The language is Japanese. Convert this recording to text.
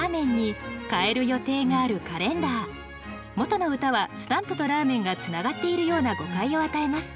元の歌は「スタンプ」と「ラーメン」がつながっているような誤解を与えます。